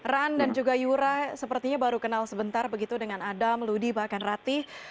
run dan juga yura sepertinya baru kenal sebentar begitu dengan adam ludi bahkan ratih